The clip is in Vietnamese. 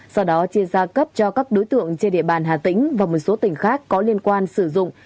sau đó chia ra cấp cho các đối tượng trên địa bàn hà tĩnh và một số tỉnh khác có liên quan sử dụng